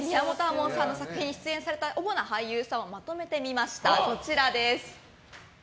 門さんの作品に出演された主な俳優さんをまとめてみました。